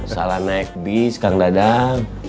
salah naik bis kang dadang